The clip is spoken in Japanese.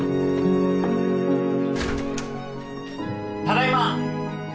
ただいま！